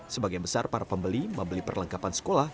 sebagian besar para pembeli membeli perlengkapan sekolah